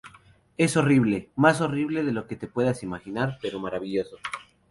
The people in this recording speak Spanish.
Es horrible -más horrible de lo que te puedas imaginar- pero maravilloso.